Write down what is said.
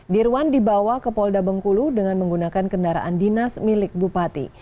dirwan dibawa ke polda bengkulu dengan menggunakan kendaraan dinas milik bupati